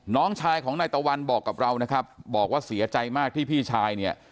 น้องชายของนายตะวันบอกกับเรานะครับบอกว่าเสียใจมากที่พี่ชายเนี่ย